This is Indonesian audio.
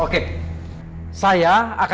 juga aku tanya tema apa